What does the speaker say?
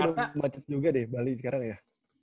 ini udah macet juga deh bali sekarang ya